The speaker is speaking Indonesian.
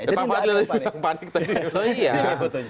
pak fadli bilang panik tadi